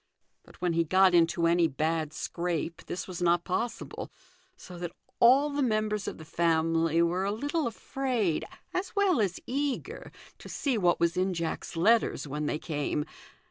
But when he got into any bad scrape this was not possible, so that all the mAibers of the family were a little afraid, as well as eager, to see what was in Jack's letters when they came.